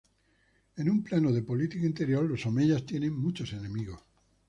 En un plano de política interior, los Omeyas tienen muchos enemigos.